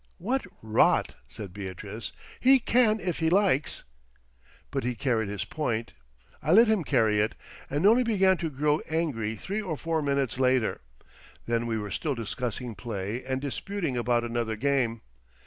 "What rot!" said Beatrice. "He can if he likes." But he carried his point. I let him carry it, and only began to grow angry three or four minutes later. Then we were still discussing play and disputing about another game.